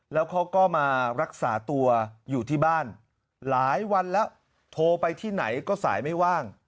แล้วเขาก็มารักษาตัวอยู่ที่บ้านหลายวันแล้วโทรไปที่ไหนก็สายไม่ว่าง